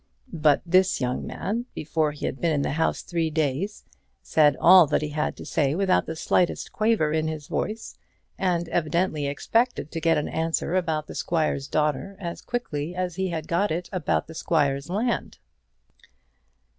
But this young man, before he had been in the house three days, said all that he had to say without the slightest quaver in his voice, and evidently expected to get an answer about the squire's daughter as quickly as he had got it about the squire's land.